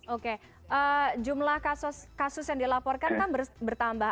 oke jumlah kasus kasus yang dilaporkan kan bertambah